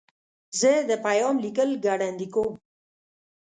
زه د پیام لیکل ګړندي کوم.